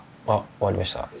あっ終わりました。